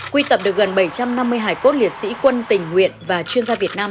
quy tập được gần bảy trăm năm mươi hải cốt liệt sĩ quân tình nguyện và chuyên gia việt nam